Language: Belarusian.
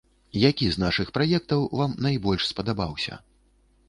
Які з нашых праектаў вам найбольш спадабаўся?